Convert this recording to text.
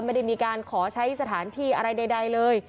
ไม่ได้มีการขอใช้สถานที่อะไรใดเลย